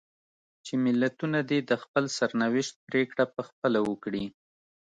چې ملتونه دې د خپل سرنوشت پرېکړه په خپله وکړي.